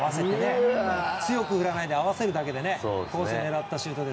強く振らないで合わせるだけでコースを狙ったシュート。